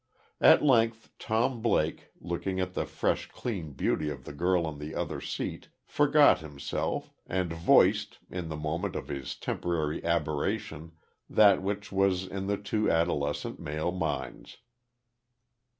At length Tom Blake, looking at the fresh, clean beauty of the girl on the other seat, forgot himself, and voiced, in the moment of his temporary aberration, that which was in the two adolescent male minds.